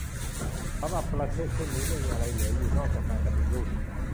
สำหรับประเทศเช่นนี้ไม่มีอะไรเหลืออยู่นอกจากการปฏิรูป